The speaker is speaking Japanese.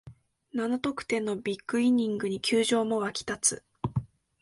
七得点のビッグイニングに球場も沸き立つ